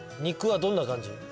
肉はどんな感じ？